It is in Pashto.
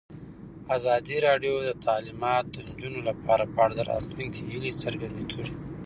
ازادي راډیو د تعلیمات د نجونو لپاره په اړه د راتلونکي هیلې څرګندې کړې.